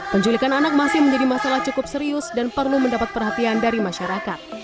penculikan anak masih menjadi masalah cukup serius dan perlu mendapat perhatian dari masyarakat